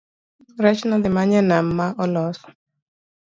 rech nodhimany e nam ma olos